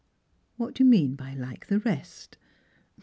" What do you mean by like the rest